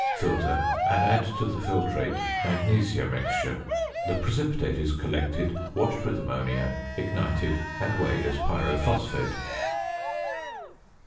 Filter and add to the filtrate "magnesia mixture." The precipitate is collected, washed with ammonia, ignited, and weighed as pyrophosphate.